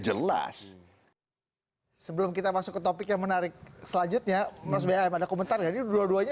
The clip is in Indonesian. jelas sebelum kita masuk ke topik yang menarik selanjutnya masbea pada komentar ya dua duanya